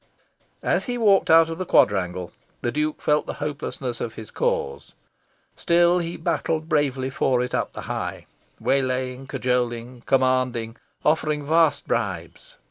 As he walked out of the quadrangle, the Duke felt the hopelessness of his cause. Still he battled bravely for it up the High, waylaying, cajoling, commanding, offering vast bribes.